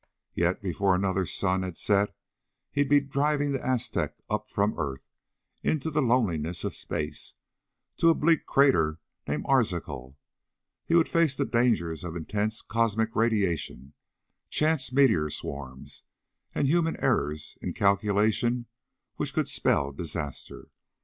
Yet before another sun had set he'd be driving the Aztec up from earth, into the loneliness of space, to a bleak crater named Arzachel. He would face the dangers of intense cosmic radiation, chance meteor swarms, and human errors in calculation which could spell disaster.